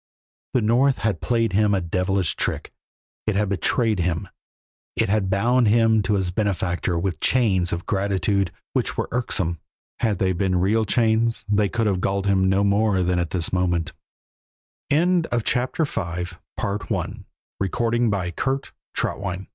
The North had played him a devilish trick, it had betrayed him, it had bound him to his benefactor with chains of gratitude which were irksome. Had they been real chains they could have galled him no more than at this moment. As time passed the men spoke less frequently to each othe